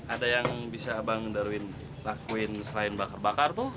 ada yang bisa bang darwin lakuin selain bakar bakar tuh